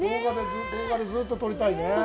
動画でずっと撮りたいね。